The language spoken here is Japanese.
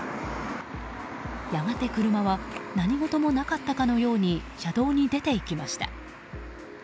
やがて車は何事もなかったかのように車道に出て行きました。